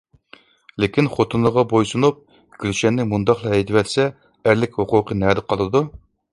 لېكىن خوتۇنىغا بويسۇنۇپ، گۈلشەننى مۇنداقلا ھەيدىۋەتسە ئەرلىك ھوقۇقى نەدە قالىدۇ؟